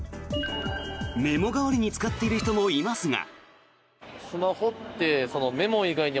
メモ代わりに使っている人もいますが。